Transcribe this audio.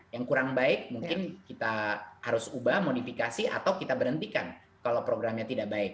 yang kurang baik mungkin kita harus ubah modifikasi atau kita berhentikan kalau programnya tidak baik